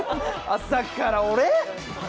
朝から俺？